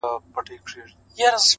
جانه ځان دي ټوله پکي وخوړ _